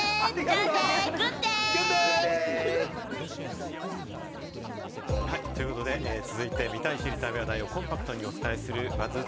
グッデイ！ということで、続いては見たい知りたい話題をコンパクトにお伝えするＢＵＺＺ